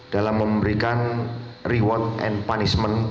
dalam memberikan reward and punishment